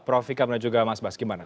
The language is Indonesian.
profika dan juga mas bas gimana